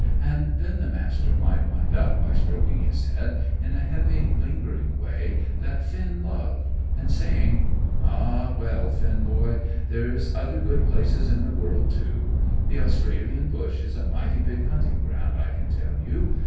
And then the Master might wind up by stroking his head in a heavy, lingering way that Finn loved, and saying "Ah, well, Finn boy; there's other good places in the world, too. The Australian bush is a mighty big hunting ground, I can tell you.